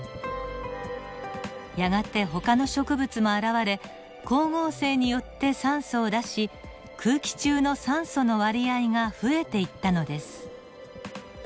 やがてほかの植物も現れ光合成によって酸素を出し空気中の酸素の割合が増えていったのです。